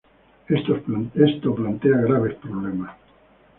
Esto plantea graves problemas.